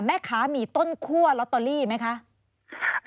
แม่ค้ามีต้นคั่วลอตเตอรี่ไหมคะ